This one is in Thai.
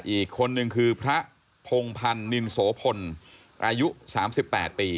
อีกคนนึงคือพระพงพันธ์นินโสพลอายุ๓๘ปี